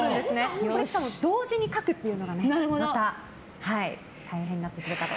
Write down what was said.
同時に描くっていうのがまた大変になってくるかと。